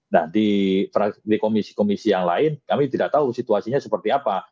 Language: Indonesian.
nah di komisi komisi yang lain kami tidak tahu situasinya seperti apa